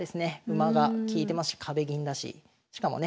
馬が利いてますし壁銀だししかもね